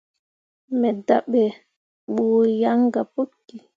Me dahɓɓe buu yan gah puki.